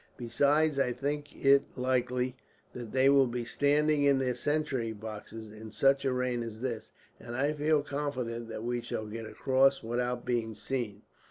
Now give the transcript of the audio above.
Besides, I think it likely that they will be standing in their sentry boxes, in such a rain as this; and I feel confident that we shall get across without being seen.